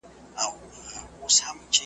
کي بديل نه لري